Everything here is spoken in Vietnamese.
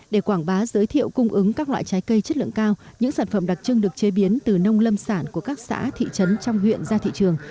để quảng bá giới thiệu cung ứng các loại trái cây chất lượng cao những sản phẩm đặc trưng được chế biến từ nông lâm sản của các xã thị trấn trong huyện ra thị trường